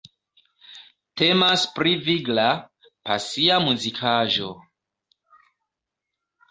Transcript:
Temas pri vigla, pasia muzikaĵo.